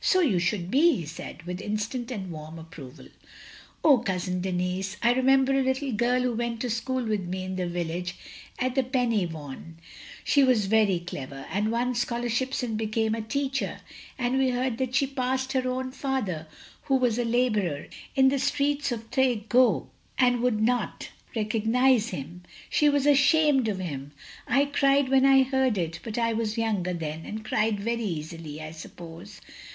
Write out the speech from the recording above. " "So you should be," he said, with instant and warm approval. "Oh, Cousin Denis, I remember a little girl who went to school with me in the village at Pen y watm ; she was very clever, and won scholarships and became a teacher, and we heard that she passed her own father, who was a labourer, in the streets of Tref goch and wotild not recognise him. She was ashamed of him! I cried when I heard it, but I was younger then and cried very easily, I suppose.